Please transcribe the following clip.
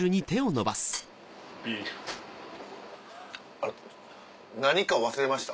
あの何か忘れました